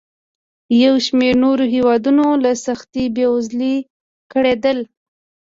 یو شمېر نور هېوادونه له سختې بېوزلۍ کړېدل.